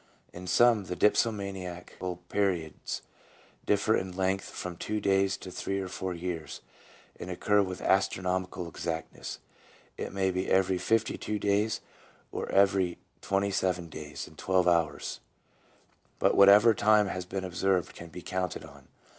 In some, the dipsomaniacal periods differ in length from two days to three or four years, and occur with astronomical exactness. It may be every fifty two days, or every twenty seven days and twelve hours, but whatever time has been observed can be counted on.